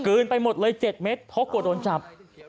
กลืนไปหมดเลย๗เม็ดเพราะกว่าโดนจับ